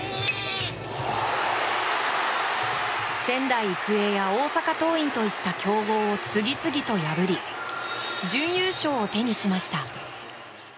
仙台育英や大阪桐蔭といった強豪を次々と破り準優勝を手にしました。